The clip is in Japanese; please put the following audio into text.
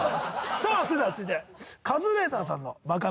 さあそれでは続いてカズレーザーさんのＢＡＫＡ